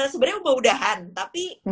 sebenarnya umpamudahan tapi